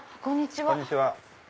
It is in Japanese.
こんにちは。